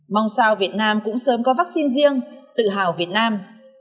mong sao việt nam cũng sớm có vắc xin riêng tự hào việt nam